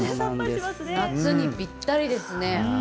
夏にぴったりですね。